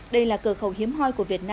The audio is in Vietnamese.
đây là cửa khẩu hiếm hoi của việt nam